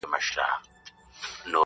چي خبر سو جادوګرښارته راغلی٫